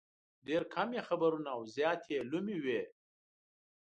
ډېر کم یې خبرونه او زیات یې لومې وي.